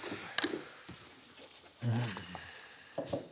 うん。